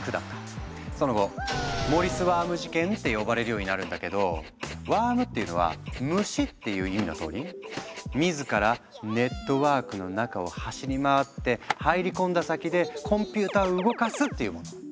その後「モリスワーム事件」って呼ばれるようになるんだけど「ワーム」っていうのは「虫」っていう意味のとおり「自らネットワークの中を走り回って入り込んだ先でコンピューターを動かす」っていうもの。